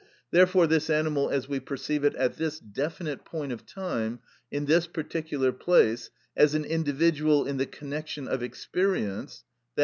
Therefore this animal as we perceive it at this definite point of time, in this particular place, as an individual in the connection of experience (_i.